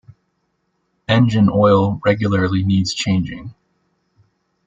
Engine oil regularly needs changing.